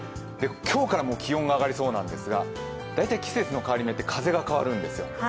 今日から気温が上がりそうなんですが、大体、季節の変わり目って風が変わるんですよ。